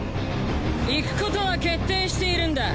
行く事は決定しているんだ。